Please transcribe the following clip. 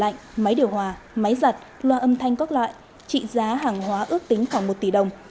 lạnh máy điều hòa máy giặt loa âm thanh các loại trị giá hàng hóa ước tính khoảng một tỷ đồng